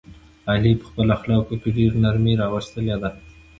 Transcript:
علي په خپلو اخلاقو کې ډېره نرمي راوستلې ده.